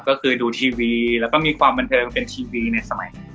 ก็คือดูทีวีแล้วก็มีความบันเทิงเป็นทีวีในสมัย